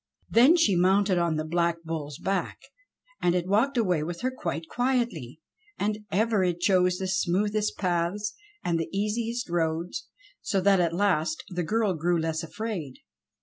Then she mounted on the Black Bull's back, and it walked away with her quite quietly. And ever it chose the smoothest paths and the easiest roads, so that at last the girl grew less afraid.